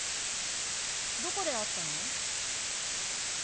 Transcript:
どこで会ったの？